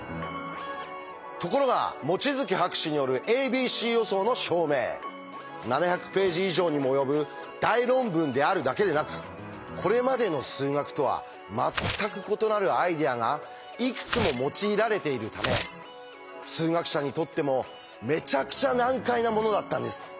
ところが望月博士による「ａｂｃ予想」の証明７００ページ以上にも及ぶ大論文であるだけでなくこれまでの数学とは全く異なるアイデアがいくつも用いられているため数学者にとってもめちゃくちゃ難解なものだったんです。